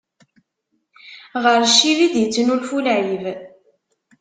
Ɣer ccib i d-ittnulfu lɛib.